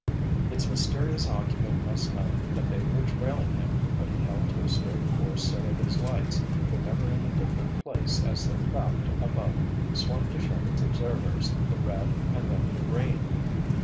Its mysterious occupant must know that they were trailing him, but he held to a straight course so that his lights were never in a different place as their craft above swung to show its observers the red and then the green.